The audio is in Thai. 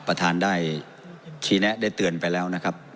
ประธานได้ชี้แนะได้เตือนไปแล้วนะครับ